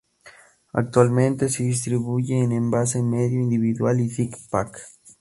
Actualmente, se distribuye en envase medio, individual y six-pack.